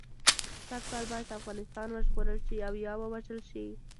سږ کال باید افغانستان وژغورل شي او یا ووژل شي.